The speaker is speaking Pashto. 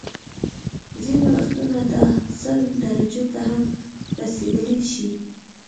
ځینې وختونه دا سل درجو ته هم رسيدلی شي